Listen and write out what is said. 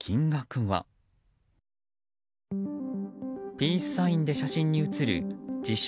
ピースサインで写真に写る自称